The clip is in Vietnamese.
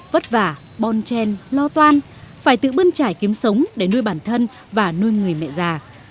vất vả bon chen lo toan phải tự bươn trải kiếm sống để nuôi bản thân và nuôi người mẹ già